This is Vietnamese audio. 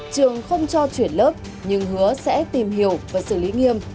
trường không cho chuyển lớp nhưng hứa sẽ tìm hiểu và xử lý nghiêm